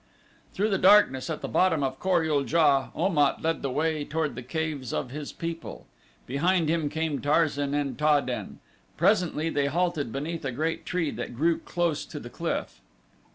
Through the darkness at the bottom of Kor ul JA, Om at led the way toward the caves of his people. Behind him came Tarzan and Ta den. Presently they halted beneath a great tree that grew close to the cliff.